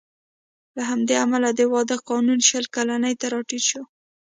له همدې امله د واده قانون شل کلنۍ ته راټیټ شو